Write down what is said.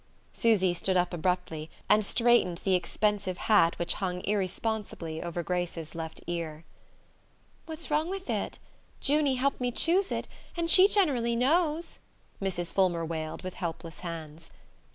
Susy stood up abruptly, and straightened the expensive hat which hung irresponsibly over Grace's left ear. "What's wrong with it? Junie helped me choose it, and she generally knows," Mrs. Fulmer wailed with helpless hands.